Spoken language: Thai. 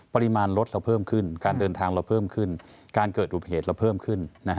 ปริมาณรถเราเพิ่มขึ้นการเดินทางเราเพิ่มขึ้นการเกิดอุบัติเหตุเราเพิ่มขึ้น